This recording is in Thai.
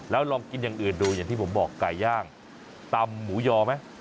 แล้วลองกินอย่างอื่นดูอย่างที่ผมบอกไก่ย่างตำหมูยอไหม